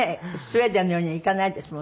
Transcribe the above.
スウェーデンのようにはいかないですもんね。